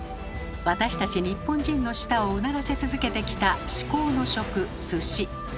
私たち日本人の舌をうならせ続けてきた至高の食「鮨」。